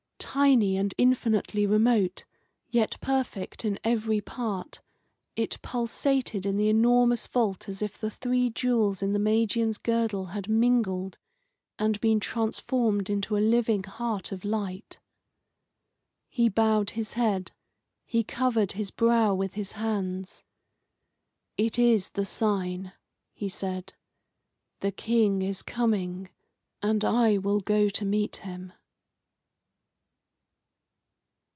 Tiny and infinitely remote, yet perfect in every part, it pulsated in the enormous vault as if the three jewels in the Magian's girdle had mingled and been transformed into a living heart of light. He bowed his head. He covered his brow with his hands. "It is the sign," he said. "The King is coming, and I will go to meet him."